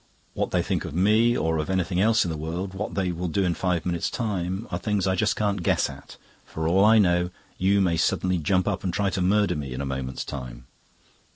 What they think of me or of anything else in the world, what they will do in five minutes' time, are things I can't guess at. For all I know, you may suddenly jump up and try to murder me in a moment's time."